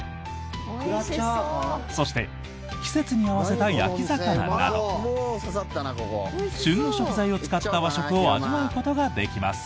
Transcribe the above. そして季節に合わせた焼き魚など旬の食材を使った和食を味わうことができます。